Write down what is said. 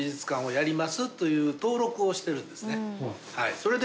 それで。